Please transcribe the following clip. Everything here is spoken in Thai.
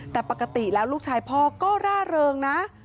แต่ปกติแล้วลูกชายพ่อก็ร่าเริงนะ